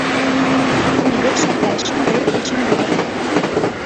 Кунӗпех ҫапла — ҫын кӗрет те ҫын тухать.